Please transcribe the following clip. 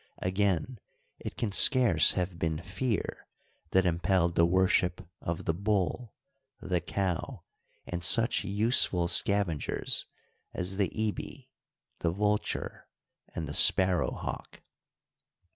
Again, it can scarce have been fear that impelled the worship of the bull, the cow, and such useful scavengers as the ibis, the vulture, and the sparrow hawk.